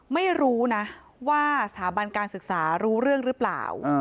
ไม่รู้นะว่าสถาบันการศึกษารู้เรื่องหรือเปล่า